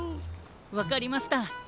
わかりました。